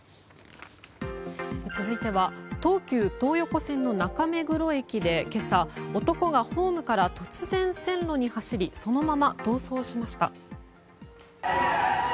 続いては東急東横線の中目黒駅で今朝、男がホームから突然線路に走りそのまま逃走しました。